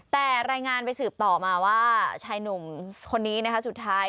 แต่รายงานไปสืบต่อมาว่าชายหนุ่มคนนี้นะคะสุดท้าย